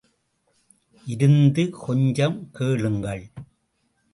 இருந்து கொஞ்சம் கேளுங்கள்!